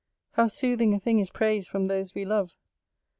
How soothing a thing is praise from those we love!